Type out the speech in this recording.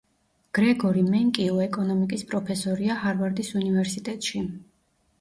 გრეგორი მენკიუ ეკონომიკის პროფესორია ჰარვარდის უნივერსიტეტში.